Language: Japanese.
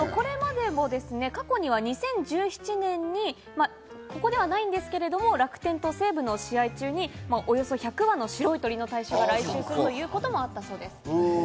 過去には２０１７年に、ここではないんですけれども、楽天と西武の試合中におよそ１００羽の白い鳥の大群が来襲するということもあったそうです。